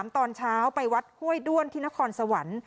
ตอนเช้าไปวัดห้วยด้วนที่นครสวรรค์